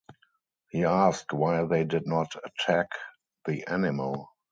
He asked why they did not attack the animal.